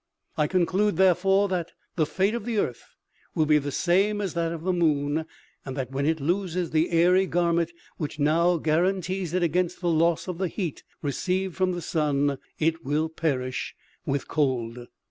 I conclude, therefore, that the fate of the earth will be the same as that of the moon, and that when it loses the airy garment which now guar antees it against the loss of the heat received from the sun, it will perish with cold."